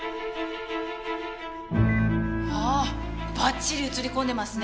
ああばっちり映り込んでますね。